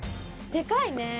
でかいね。